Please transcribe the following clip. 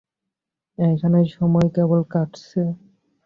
এখানে সময় কেমন কাটছে?